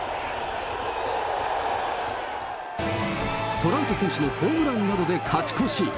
トラウト選手のホームランなどで勝ち越し。